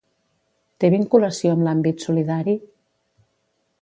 Té vinculació amb l'àmbit solidari?